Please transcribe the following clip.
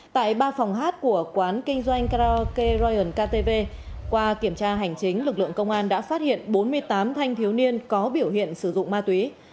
tại ba phòng hát của quán kinh doanh karaoke ryan ktv qua kiểm tra hành chính lực lượng công an đã phát hiện bốn mươi tám thanh thiếu niên có biểu hiện sử dụng ma túy